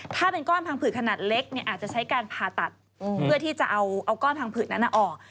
ถ้าเป็นก้อนพังผืดขนาดเล็กเนี่ยอาจจะใช้การผ่าตัดเพื่อที่จะเอาก้อนพังผืดนั้นออก